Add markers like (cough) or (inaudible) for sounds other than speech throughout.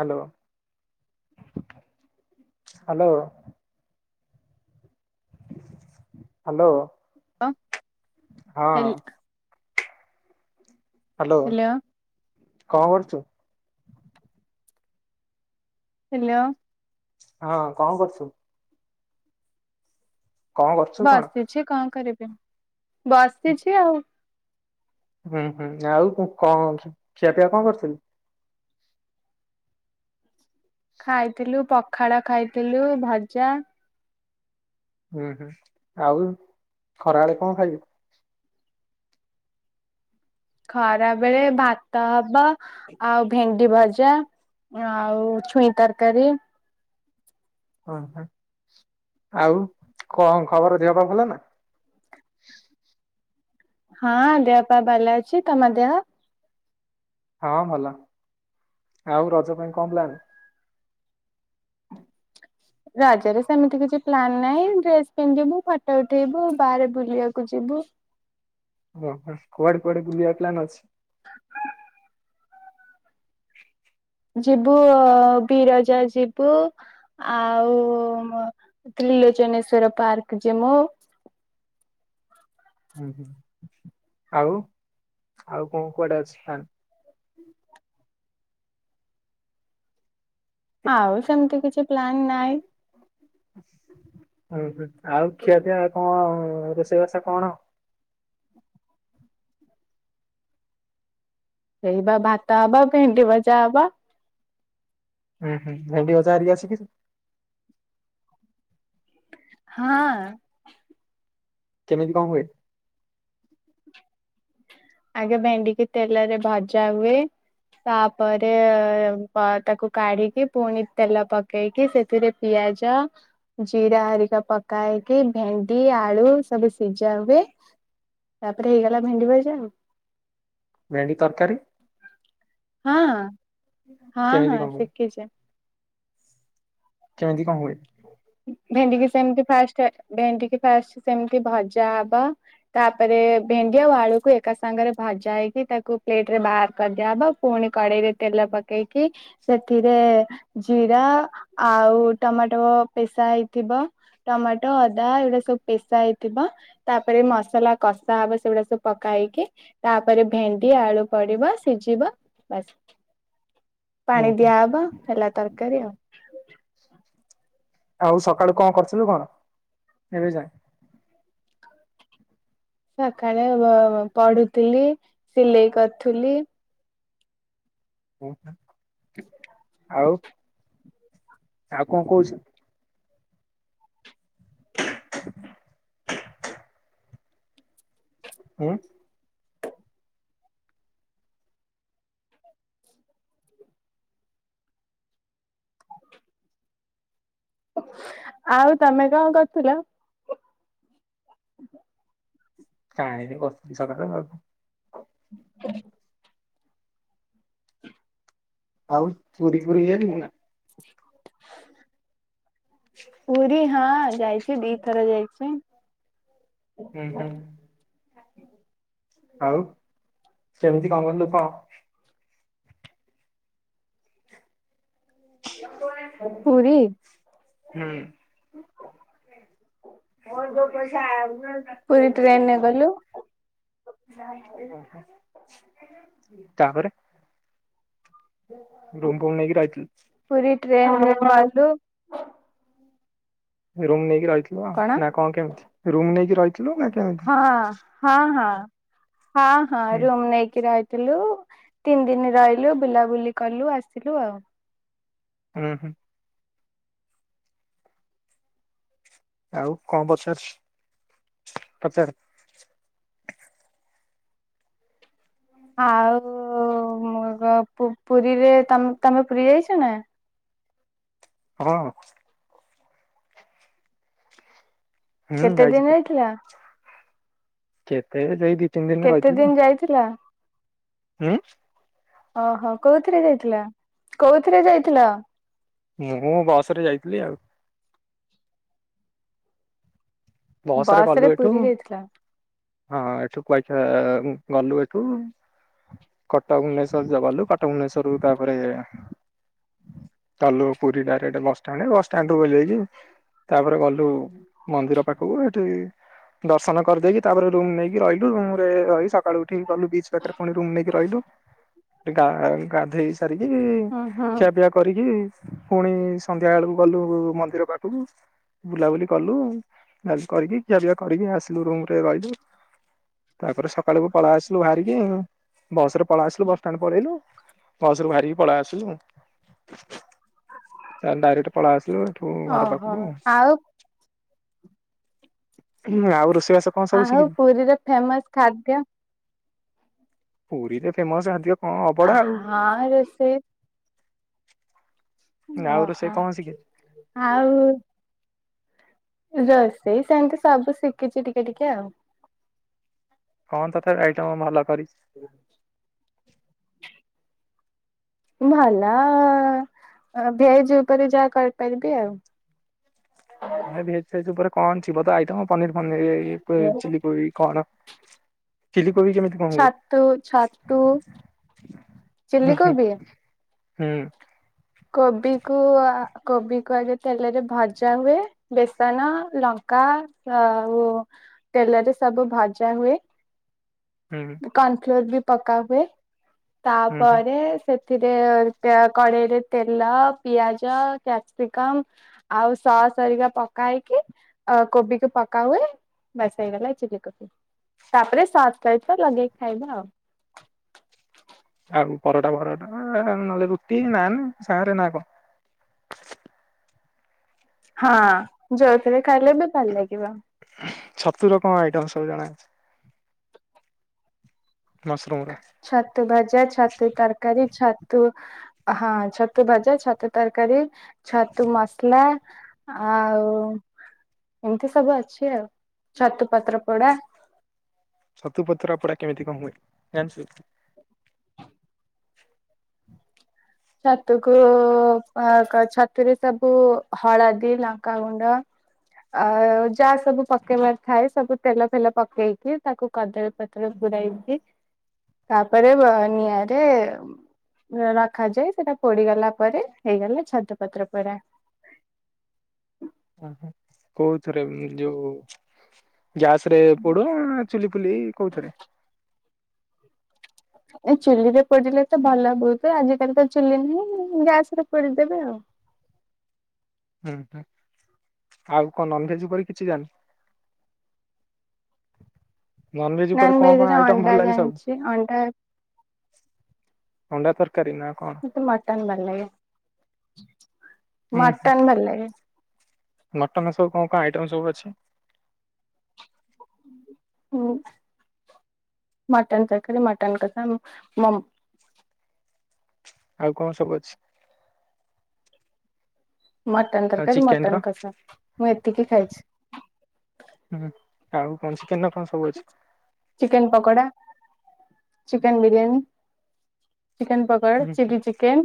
Hello hello. Hello. କଣ ହେଲ hello hello କଣ କରୁଚୁ? ହାଲୋ। ହଁ କଣ କରୁଚୁ? କଣ କରୁଛୁ କଣ? ବସିଛି କଣ କରିବି ବସିଛି ଆଉ। ହଁ ହଁ ଆଉ କଣ ଖି ଖିଆପିଇଆ କଣ କରିଥିଲୁ? ଖାଇଥିଲୁ ପଖାଳ ଖାଇଥିଲୁ ଭଜା ହଁ ହଁ ଆଉ ଖରାବେଳେ କଣ ଖାଇବୁ? ଖରା ବେଳେ ଭାତ ହବ ଆଉ ଭେଣ୍ଡି ଭଜା ଆଉ ଛୁଇଁ ତରକାରୀ ଉଁ ହୁଁ ଆଉ କଣ ଖବର ଦେହ ପା ଭଲ ନା ହଁ ଦେହ ପା ଭଲ ଅଛି ତମ ଦେହ? ହଁ ଭଲ ଆଉ ରଜ ପାଇଁ କଣ ପ୍ଲାନ? ରଜରେ ସେମିତି କିଛି ପ୍ଲାନ ନାହିଁ ଡ୍ରେସ୍ ପିନ୍ଧିବୁ ଫଟୋ ଉଠେଇବୁ ବାହାରେ ବୁଲିବାକୁ ଯିବୁ। ଓହ କୁଆଡେ କୁଆଡେ ବୁଲିବା ପ୍ଲାନ ଅଛି? ଯିବୁ ଅ ବିରଜା ଯିବୁ ଆଉ ତ୍ରିଲୋଚନେଶ୍ଵର ପାର୍କ ଯିମୁଁ ହୁଁ ହୁଁ। ଆଉ ଆଉ କଣ କୁଆଡେ ଅଛି ଆଉ ସେମିତି କିଛି ପ୍ଲାନ ନାଇଁ ହୁଁ ହୁଁ ଆଉ ଖିଆ ପିଆ କଣ ରୋଷେଇବାସ କଣ? ସେଇ ବା ଭାତ ହବ ଭେଣ୍ଡି ଭଜା ହବ। ହଁ ହଁ ଭେଣ୍ଡି ଭଜା ହେରିକା ସିକିଚୁ? ହଁ। କେମିତି କଣ ହୁଏ? ଆଗେ ଭେଣ୍ଡିିକି ତେଲରେ ଭଜା ହୁଏ ତାପରେ ଅ ତାକୁ କାଢିକି ପୁଣି ତେଲ ପକେଇକି ସେଥିରେ ପିଆଜ ଜିରା ହେରିକା ପକାଇ ହେଇକି ଭେଣ୍ଡି ଆଳୁ ସବୁ ସିଜା ହୁଏ ତାପରେ ହେଇଗଲା ଭେଣ୍ଡି ଭଜା ଆଉ। ଭେଣ୍ଡି ତରକାରୀ? ହଁ ହଁ କେମିତି ହଁ କଣ ହୁଏ ଶିଖିଚି। କେମିତି କଣ ହୁଏ? ଭେଣ୍ଡିକି ସେମିତି ଫାଷ୍ଟେ ଭେଣ୍ଡିକିି ଫାଷ୍ଟେ ସେମିତି ଭଜା ହବ ତାପରେ ଭେଣ୍ଡି ଆଉ ଆଳୁକୁ ଏକା ସାଙ୍ଗରେ ଭଜା ହେଇକି ତାକୁ ପ୍ଲେଟରେ ବାହାର କରିଦିଆହବ ପୁଣି କଡ଼େଇରେ ତେଲ ପକେଇକି ସେଥିରେ ଜିରା ଆଉ ଟମାଟୋ ପେଶା ହେଇଥିବ ଟମାଟୋ ଅଦା ଏଗୁଡ଼ା ସବୁ ପେଶା ହେଇଥିବ ତାପରେ ମସଲା କଷା ହବ ସେଗୁଡ଼ା ସବୁ ପକା ହେଇକି ତାପରେ ଭେଣ୍ଡି ଆଳୁ ପଡ଼ିବ ସିଝିବ ବାସ୍ (inaudible) ପାଣି ଦିଆହବ ହେଲା ତରକାରୀ ଆଉ। ଆଉ ସକାଳୁ କଣ କରୁଥିଲୁ କଣ ଏବେ ଯାଏ? ସକାଳେ ବ ପଢୁଥିଲି ସିଲେଇ କରୁଥିଲି। ଓହୋ ଆଉ? ଆଉ କଁ କଉଚୁ? ଉଁ। ଆଉ ତମେ କଁ କରୁଥିଲ? କାଇଁ ଏଇଠି ବସିଚି ସକାଳୁ (unintelligible) (inaudible) ଆଉ ପୁରୀ ଫୁରୀ ଯାଇଥିଲୁ ନାଁ? (inaudible) ପୁରୀ ହଁ ଯାଇଚି ଦିଥର ଯାଇଚି। ଉଁ ହୁଁ ଆଉ କେମିତି କାମ (unintelligible) (inaudible) ପୁରୀ ହୁଁ। ପୁରୀ ଟ୍ରେନରେ ଗଲୁ (unintelligible) ଓହୋ ତାପରେ? ରୁମ୍ ଫୁମ୍ ନେଇ ରହିଥିଲି ହୁଁ। ହାଲୋ। ରୁମ୍ ନେଇକି ରହିଥିଲ ନା କଣ କେମିତି ରୁମ୍ ନେଇକି ରହିଥିଲ ନା କେମିତି? ହଁ ହଁ ହଁ ହଁ ହଁ ହୁଁ ରୁମ୍ ନେଇକି ର ଥିଲୁ ତିନି ଦିନି ରହିଲୁ ବୁଲାବୁଲି କଲୁ ଆସିଲୁ ଆଉ। ଉଁ ହୁଁ। ଆଉ କଣ (unintelligible) ପଚାରେ? ଆଉ ମର ପୁ ପୁରୀରେ ତମେ ପୁରୀ ଯାଇଚ ନା? ହଁ। ହୁଁ କେତେ ଯାଇଚି ଦିନ ପୁରୀ ଯାଇଥିଲା କେତେ ଯାଇ ଦି ତିନି ଦିନ କେତେ ରହିଥିଲି ଦିନ ଯାଇଥିଲା? ହୁଁ? ଓହୋ କୋଉଥିରେ ଯାଇଥିଲା କୋଉଥିରେ ଯାଇଥିଲ? ମୁଁ ବସ ରେ ଯାଇଥିଲି ଆଉ। ବସ ରେ ଗଲୁ ଏଠୁ ହଁ ଏଠୁ (unintelligible) ଗଲୁ ଏଠୁ। କଟକ ଭୁବନେଶ୍ୱର ଗଲୁ କଟକ ବଭୁବନେଶ୍ୱର ରୁ ତାପରେ ଗଲୁ ପୁରୀ ଡାରେକେଟ ବସ୍ ଷ୍ଠାଣ୍ଟେ ବସ୍ ଷ୍ଟାଣ୍ଟେ ରୁ ଓହ୍ଲେଇକି ତାପରେ ଗଲୁ ମନ୍ଦିର ପାଖକୁ ଏଠି ଦର୍ଶନ କରିଦେଇକି ତାପରେ ରୁମ ନେଇକି ରହିଲୁ ରୁମ ରେ ରହି ସକାଳୁ ଉଠିକି ଗଲୁ ବିଚ ପାଖରେ ପୁଣି ରୁମ ନେଇକି ରହିଲୁ। ଗା ଗାଧେଇ ସାରିକି ହୁଁ ହୁଁ ଖିଆ ପିଆ କରିକି ପୁଣି ସନ୍ଧ୍ୟା ବେଳକୁ ଗଲୁ ମନ୍ଦିର ପାଖକୁ ବୁଲାବୁଲି କଲୁ। କରିକି କିିଆ ପିଆ କରିକି ଆସିଲୁ ରୁମ ରେ ରହିଲୁ। ତାପରେ ସକାଳକୁ ପଳେଇ ଆସିଲୁ ବାହାରିକି ବସରେ। ପଳେଇ ଆସିଲୁ ବସଷ୍ଟାଣ୍ଡ ପଳେଇଲୁ ବସ ରୁ ବାହାରିକି ପଳେଇ ଆସିଲୁ। ତ ଡାଇରେକ୍ଟ ପଳେଇ ଆସିଲୁ ଏଠୁ ଘର ଓହୋ ପାଖକୁ। ଆଉ ହୁଁ ଆଉ ରୋଶ ଇବାସ ଆ ହଉ ପୁରୀରେ ଫେମସ ଖାଦ୍ୟ? ପୁରୀ ରେ ଫେମସ। (unintelligible) (inaudible) ଆଉ ହଁ ରସେଇ ଆଉ ରୋଷେଇ କଣ ଶିଖିଛୁ (inaudible) ଆଉ? ରୋଷେଇ ସେମିତି ସବୁ ଶିଖିଛି ଟିକେ ଟିକେ ଆଉ। କଣ ତଥାବି ଅଇଟମ ଭଲକରିଛି। (inaudible) ଭଲ ଭେଜ ଉପରେ ଯାହା କରିପାରିବି ଆଉ। (inaudible) ଆରେ ଭେଜ ଫେଜ ଉପରେ କଣ ଥିବ ତ ଆଇଟମ ପନିର ଫନିର ଆଉ ଚିଲିକୋବି କଣ? ଚିଲ୍ଲିି କୋବି କେମି ଛତୁ ଛତୁ ହୁଁ ଚିଲ୍ଲି ହୁଁ କୋବି ହୁଁ। କୋବି କୁ ଆ କୋବିକୁ ଆଗେ ତେଲେରେ ଭଜା ହୁଏ। ବେସନ, ଲଙ୍କା ଆଉ ତେଲେରେ ସବୁ ଭଜା ହୁଏ। ହୁଁ। କନଫ୍ଲୋର ବି ପକା ହୁଏ ହୁଁ ହୁଁ ତାପରେ ସେ ସେଥିରେ କଡେଇରେ ତେଲ, ପିଆଜ, କ୍ୟାପସିକମ୍ ଆଉ ସସ୍ ହରିକା ପକା ହେଇକି କୋବିକୁ ପକାହୁଏ। ବାସ୍ ହେଇଗଲା ଏ ଚିଲ୍ଳିକୋବି ତାପରେ ସସ୍ ସହିତ ଲଗେଇକି ଖାଇବ ଆଉ। ଆଉ ପରଟା ଫରଟା ନହେଲେ ରୁଟି ନାନ୍ ସାରେ ନା କ ହଁ ଯୋଉଥିରେ ଖାଇଲେ ବି ଭଲ ଲାଗିବ। ଛତୁର କଣ ଆଇଟମ ସବୁ ଜଣାଅଛି? ମସରୁମ ର ଛତୁଭଜା, ଛତୁ ତରକାରୀ ଛତୁ ହଁ ଛତୁଭଜା, ଛତୁ ତରକାରୀ, ଛତୁ ମସ ଥିଲା ଆଉ ଏମତି ସବୁ ଅଛି ଆଉ ଛତୁ ପତ୍ରପୋଡା ଛତୁ ପତ୍ର ପୋଡା କେମିତି କଣ ହୁଏ ଜାଣିଛୁ? (unintelligible) ଛତୁକୁ ଆ କ ଛତୁରେ ସବୁ ହଳଦୀ, ଲଙ୍କାଗୁଣ୍ଡ ଅ ଯାହା ସବୁ ପକେଇବାର ଥାଏ ସବୁ ତେଲ ଫେଲ ପକେଇକି ତାକୁ କଦଳୀପତ୍ର ପୁରାଇକି ତାପରେ ବା ନିଆଁରେ ର ଖାଯାଏ ସେଟା ପୋଡିଗଲା ପରେ ହେଇଗଲା ଛତୁ ପତ୍ର ପୋରା। ଓ ହୋ କୋଉଥିରେ ଯୋଉ ଗ୍ୟାସରେ ପୋଡ ଚୁଲି ଫୁଲି କୋଉଥେରେ? ଏ ଚୁଲିରେ ପୋଡିଲେ ତ ଭଲ ବହୁତ ଆଜିକାଲି ତ ଚୁଲି ନାହିଁ ଗ୍ୟାସରେ ପୋଡିଦେବେ ଆଉ। ହୁଁ ହୁଁ ଆଉ କଣ ନନଭେଜ୍ ଉପରେ କିଛି ଜାଣିି ନନଭେଜ୍ ନନ୍ ଉପରେ କଣ ଭେଜ କଣ ରେ ଆଇଟମ ଅଣ୍ଡା ଭଲ ଲାଗେ ସବୁ? ଜାଣିଛି ଅଣ୍ଡା ଅଣ୍ଡା ତରକାରୀ ନା କଣ? ମଟନ ଭଲ ଲାଗେ ମଟନ ଭଲ ଲାଗେ। ମଟନର ସବୁ କଣ କଣ ଆଇଟମ୍ ସବୁ ଅଛି? ହୁଁ ମଟନ ତରକାରୀ ମଟନ କଷା ମ ଆଉ କଣ ସବୁ ଅଛି? ମଟନ ଆଉ ତରକାରୀ ଚିକେନ ର? ମଟନ କଷା ମୁଁ ଏତିକି ଖାଇଛି। ହୁଁ ଆଉ କଣ ଚିକେନର କଣ ସବୁ ଅଛି? Chicken pakora, chicken biryani, chicken ପ ଏଡ ହୁଁ chilli chicken,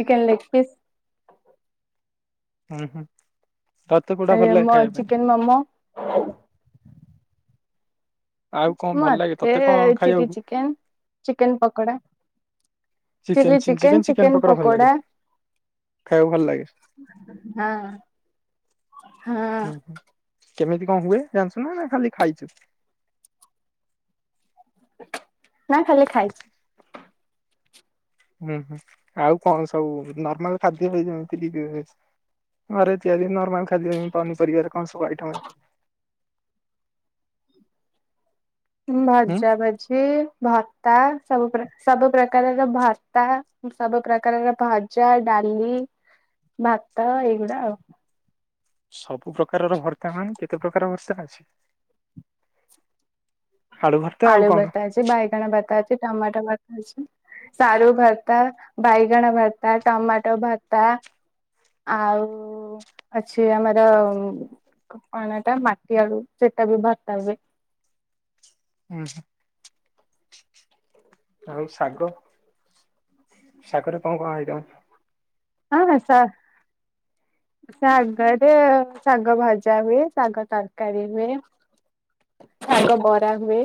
chicken leg piece. ହୁଁ ହୁଁ ତତେ କୋଉଟା ଏଇ ଭଲ ଲାଗେ ଆମ ଖାଇବା ପାଇଁ ଚିକେନ ମମୋ। ଆଉ କଣ ଭଲ ଲାଗେ ମତେ ତତେ କଣ ଚିଲି ଖାଇବାକୁ? Chicken chicken pakora chilli chicken chicken pakoda ଖାଇବାକୁ ଭଲ ଲାଗେ। ହଁ ହଁ ହୁଁ ହୁଁ କେମିତି କଣ ହୁଏ ଜାଣିଚୁ ନା ଖାଲି ଖାଇଚୁ? (unintelligible) ନା ଖାଲି ଖାଇଚି। ହୁଁ ହୁଁ ଆଉ କଣ ସବୁ ନର୍ମାଲ ଖାଦ୍ୟ ଏଇ ଯେମିତି କି ଘରେ ତିଆରି ନର୍ମାଲ ଖାଦ୍ୟ ଇ ପନିପରିବାରେ କଣ ସବୁ ଆଇଟମ ହୁଁ ଭଜା ଭଜିି ଭା ର୍ତା ସବୁ ସବୁ ପ୍ରକାରର ଭାର୍ତା, ସବୁ ପ୍ରକାରର ଭଜା, ଡାଲି ଭାତ ଏଇଗୁଡା ଆଉ। ସବୁ ପ୍ରକାରର ଭର୍ତ୍ତା ମାନେ କେତେ ପ୍ରକାର ଭର୍ଷା ଅଛି? ଭର୍ତ୍ତା ଆଉ ଆଳୁ କଣ ଭର୍ତା ଅଛି ବାଇଗଣ ଭର୍ତା ଅଛି ଟମାଟୋ ଭର୍ତା ଅଛି। ସାରୁ ଭର୍ତା, ବାଇଗଣ ଭର୍ତା, ଟମାଟୋ ଭର୍ତା। ଆଉ ଅଛି ଆମର କଣ ଏଟା ମାଟିଆଳୁ ସେଟା ବି ଭର୍ତା ହୁଏ। ଉଁ ହୁ ଆଉ ଶାଗ, ଶାଗରେ କଣ କଣ ଆଇଟମ? (unintelligible) ଶାଗରେ ଶାଗ ଭଜା ହୁଏ ଶାଗ ତରକାରୀ ହୁଏ। ଶାଗ ବରା ହୁଏ।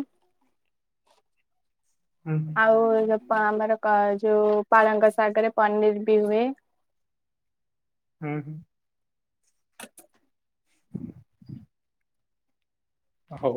ହୁଁ ଆଉ ଆମର ଯୋଉ ପାଳଙ୍ଗ ଶାଗରେ ପନିର ବି ହୁଏ। ହୁଁ ହୁଁ ହଉ